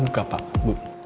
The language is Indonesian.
buka pak bu